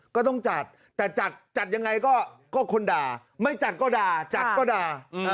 ก็ต้องจัดแต่จัดจัดยังไงก็คนด่าไม่จัดก็ด่าจัดก็ด่า